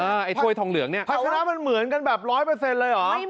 ไอ้ถ้วยทองเหลืองเนี่ยเอาชนะมันเหมือนกันแบบร้อยเปอร์เซ็นต์เลยเหรอ